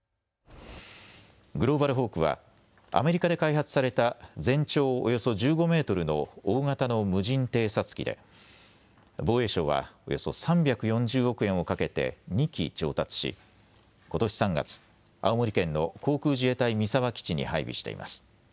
グローバルホークはアメリカで開発された全長およそ１５メートルの大型の無人偵察機で防衛省はおよそ３４０億円をかけて２機調達し、ことし３月、青森県の航空自衛隊三沢基地に配備しています。